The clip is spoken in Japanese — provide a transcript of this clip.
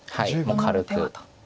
もう軽く。